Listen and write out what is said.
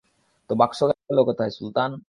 তো বাক্স গেল কোথায়, সুলতান?